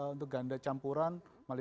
untuk ganda campuran